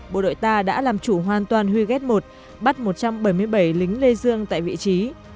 bộ đội ta đã làm chủ hoàn toàn huy ghét một bắt một trăm bảy mươi bảy lính lê dương tại vị trí